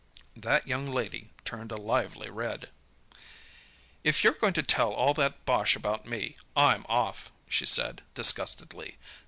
That young lady turned a lively red. "If you're going to tell all that bosh about me, I'm off," she said, disgustedly.